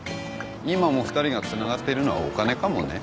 今も２人がつながっているのはお金かもね。